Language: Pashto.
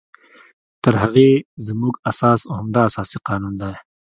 تر هغې زمونږ اساس همدا اساسي قانون دی